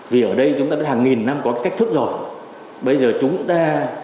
vì ở đây chúng ta đã hàng nghìn năm có cái cách thức rồi bây giờ chúng ta